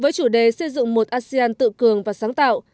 với chủ đề xây dựng một asean tự cường và sáng tạo